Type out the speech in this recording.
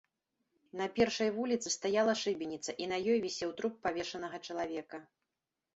На першай вуліцы стаяла шыбеніца, і на ёй вісеў труп павешанага чалавека.